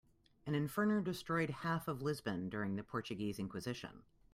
An inferno destroyed half of Lisbon during the Portuguese inquisition.